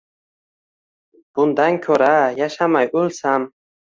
Bundan kura yashamay ulsam